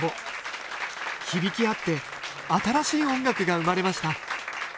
響き合って新しい音楽が生まれました